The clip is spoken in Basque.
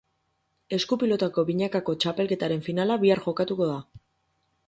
Esku-pilotako binakako txapelketaren finala bihar jokatuko da.